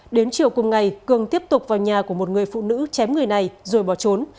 đến chiều cùng ngày cường tiếp tục vào nhà của một người phụ nữ chém người này rồi bỏ trốn